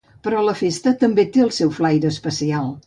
Però la festa també té els seu flaire especial.